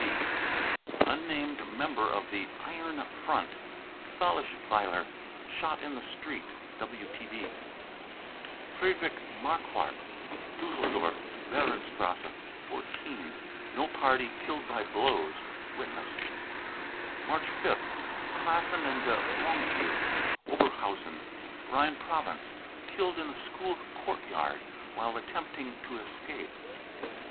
(WTB.) unnamed member of the 44 iron front," Thalesschweiler, shot in the street. (WTB.) Friedrich marquardt, Diisseldorf, Behrenstr. 14, no party, killed by blows. (Witness.) March 5th. klassen and de longue ville, Ober hausen (Rhine Province), killed in a school courtyard 44 while attempting to escape."